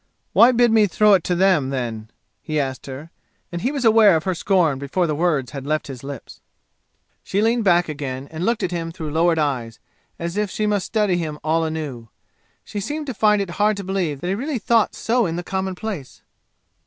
"Why bid me throw it to them, then?" he asked her, and he was aware of her scorn before the words had left his lips. She leaned back again and looked at him through lowered eyes, as if she must study him all anew. She seemed to find it hard to believe that he really thought so in the commonplace.